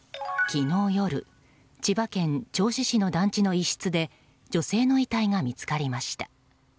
昨日夜千葉県銚子市の団地の一室で女性の遺体が見つかりました。